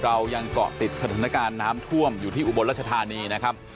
เรายังเกาะติดสถานการณ์น้ำท่วมอยู่ที่อุบลรัชธานีนะครับ